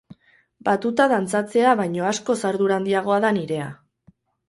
Batuta dantzatzea baino askoz ardura handiagoa da nirea.